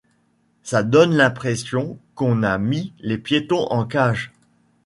Ça donne l’impression qu’on a mis les piétons en cage.